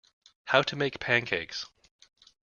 How to make pancakes.